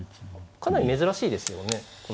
かなり珍しいですよね。